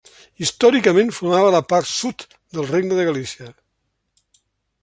Històricament formava la part sud del Regne de Galícia.